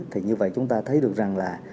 thì như vậy chúng ta thấy được rằng là